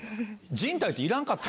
じん帯っていらんかった？